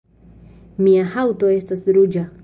Mia haŭto estas ruĝa